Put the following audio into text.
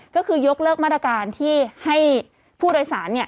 ก็คือยกเลิกมาตรการที่ให้ผู้โดยสาร